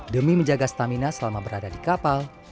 demi menjaga stamina selama berada di kapal